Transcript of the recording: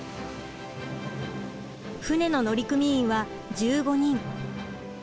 船の乗組員は１５人。